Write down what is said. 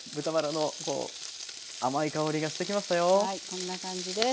こんな感じです。